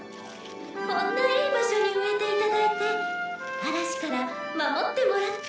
こんないい場所に植えていただいて嵐から守ってもらって。